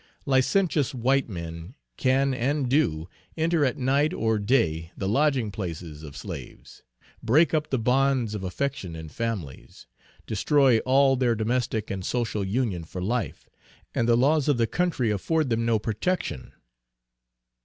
Licentious white men, can and do, enter at night or day the lodging places of slaves; break up the bonds of affection in families; destroy all their domestic and social union for life; and the laws of the country afford them no protection.